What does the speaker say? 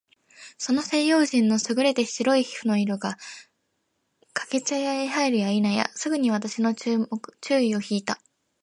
その西洋人の優れて白い皮膚の色が、掛茶屋へ入るや否いなや、すぐ私の注意を惹（ひ）いた。